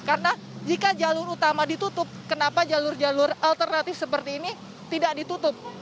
karena jika jalur utama ditutup kenapa jalur jalur alternatif seperti ini tidak ditutup